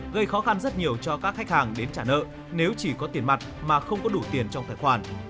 gây khó khăn rất nhiều cho các khách hàng đến trả nợ nếu chỉ có tiền mặt mà không có đủ tiền trong tài khoản